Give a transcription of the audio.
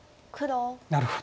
なるほど。